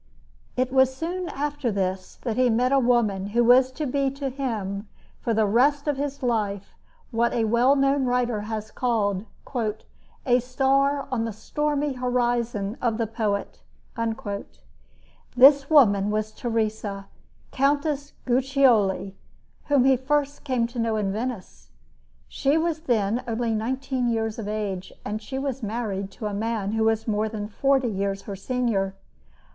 It was soon after this that he met a woman who was to be to him for the rest of his life what a well known writer has called "a star on the stormy horizon of the poet." This woman was Teresa, Countess Guiccioli, whom he first came to know in Venice. She was then only nineteen years of age, and she was married to a man who was more than forty years her senior.